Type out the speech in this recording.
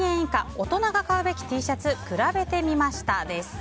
大人が買うべきＴシャツ比べてみましたです。